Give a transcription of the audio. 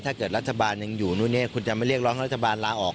ถ้าเกิดรัฐบาลยังอยู่นู่นเนี่ยคุณจะไม่เรียกร้องให้รัฐบาลลาออก